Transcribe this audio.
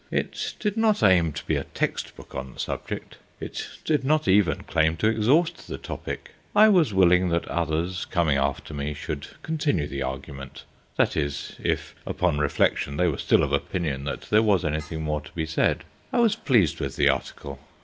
It did not aim to be a textbook on the subject. It did not even claim to exhaust the topic. I was willing that others, coming after me, should continue the argument—that is if, upon reflection, they were still of opinion there was anything more to be said. I was pleased with the article.